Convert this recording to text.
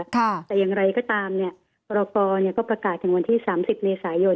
แต่อย่างไรก็ตามปรปก็ประกาศอย่างวันที่๓๐มีศายน